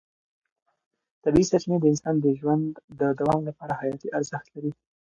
طبیعي سرچینې د انسان د ژوند د دوام لپاره حیاتي ارزښت لري.